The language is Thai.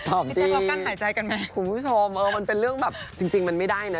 ตอบดีคุณผู้ชมเออมันเป็นเรื่องแบบจริงมันไม่ได้นะ